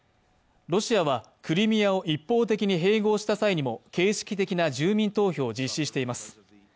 ロシアは、クリミアを一方的に併合した際にも形式的な住民投票を実施しています。